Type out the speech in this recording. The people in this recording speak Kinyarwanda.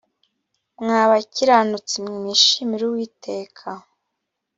mwa bakiranutsi mwe mwishimire uwiteka